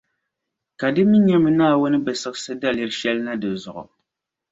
Ka di mi nyɛla Naawuni bi siɣisi daliri shεli na di zuɣu.